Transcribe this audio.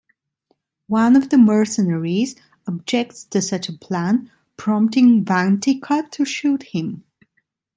One of the mercenaries objects to such a plan, prompting Vantika to shoot him.